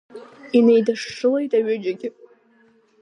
Инеидашшылеит аҩыџьагьы.